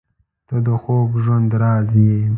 • ته د خوږ ژوند راز یې.